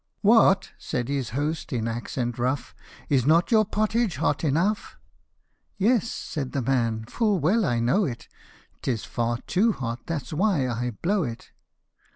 " What !" said his host in accent rough, " Is not your pottage hot enough ?"" Yes," said the man, " full well I know it, Tis far too hot, that's why I blow it."